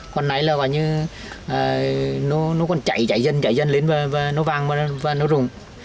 còn nãy là gọi như nó còn chạy dân chạy dân lên và nó vang và nó rùng